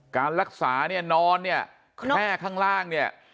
การรักษานอนแค่ข้างล่างเนี่ย